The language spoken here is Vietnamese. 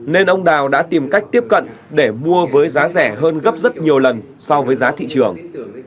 nên ông đào đã tìm cách tiếp cận để mua với giá rẻ hơn gấp rất nhiều lần so với giá thị trường